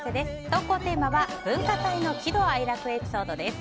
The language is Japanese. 投稿テーマは文化祭の喜怒哀楽エピソードです。